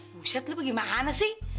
buset lo gimana sih